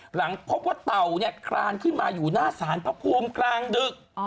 หลังพบว่าเต่าเนี่ยคลานขึ้นมาอยู่หน้าสารพระภูมิกลางดึก